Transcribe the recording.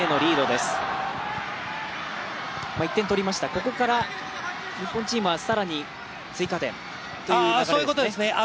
ここから日本チームは更に追加点という流れですね。